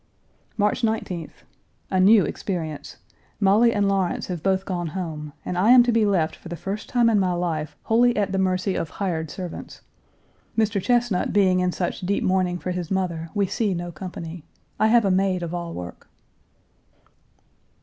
March 19th. A new experience: Molly and Lawrence have both gone home, and I am to be left for the first time in my life wholly at the mercy of hired servants. Mr. Chesnut, being in such deep mourning for his mother, we see no company. I have a maid of all work.